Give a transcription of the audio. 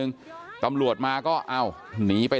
เดี๋ยวให้กลางกินขนม